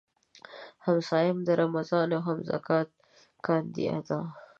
هم صايم د رمضان وي هم زکات کاندي ادا